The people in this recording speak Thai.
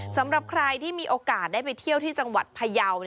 สำหรับใครที่มีโอกาสได้ไปเที่ยวที่จังหวัดพยาว